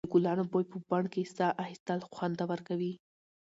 د ګلانو بوی په بڼ کې ساه اخیستل خوندور کوي.